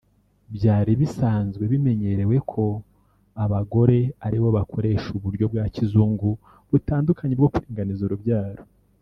Byari bisazwe bimenyerewe ko abagore aribo bakoresha uburyo bwa kizungu butandukanye bwo kuringaniza urubyaro